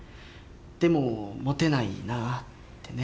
でもモテないなってね。